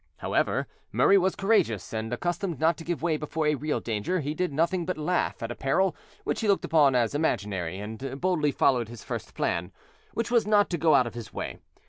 However, Murray was courageous, and, accustomed not to give way before a real danger, he did nothing but laugh at a peril which he looked upon as imaginary, and boldly followed his first plan, which was not to go out of his way.